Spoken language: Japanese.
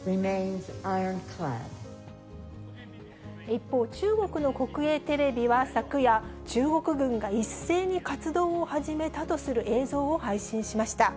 一方、中国の国営テレビは昨夜、中国軍が一斉に活動を始めたとする映像を配信しました。